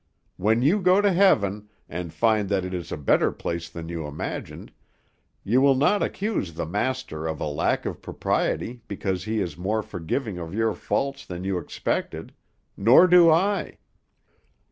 When you go to heaven, and find that it is a better place than you imagined, you will not accuse the Master of a lack of propriety because he is more forgiving of your faults than you expected; nor do I.